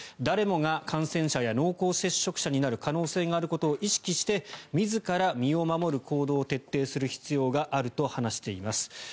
誰もが感染者や濃厚接触者になる可能性があることを意識して自ら身を守る行動を徹底する必要があると話しています。